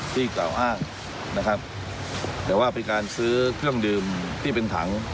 กล่าวอ้างนะครับแต่ว่าเป็นการซื้อเครื่องดื่มที่เป็นถัง